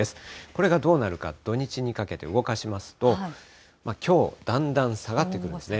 これがどうなるか、土日にかけて動かしますと、きょう、だんだん下がってくるんですね。